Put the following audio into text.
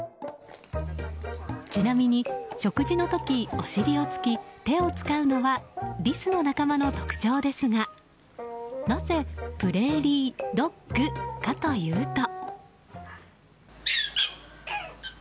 ちなみに、食事の時お尻をつき、手を使うのはリスの仲間の特徴ですがなぜプレーリードッグかというと。